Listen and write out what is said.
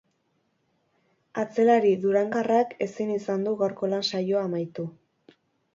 Atzelari durangarrak ezin izan du gaurko lan saioa amaitu.